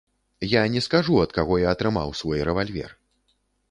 Я не скажу, ад каго я атрымаў свой рэвальвер.